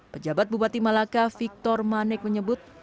pejabat bupati malaka victor manek menyebut